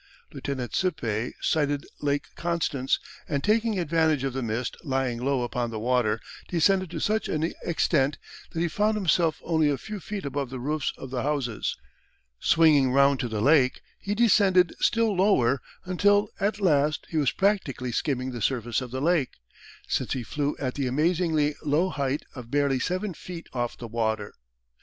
Lieutenant Sippe sighted Lake Constance, and taking advantage of the mist lying low upon the water, descended to such an extent that he found himself only a few feet above the roofs of the houses. Swinging round to the Lake he descended still lower until at last he was practically skimming the surface of the Lake, since he flew at the amazingly low height of barely seven feet off the water.